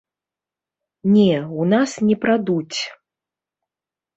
Не, у нас не прадуць.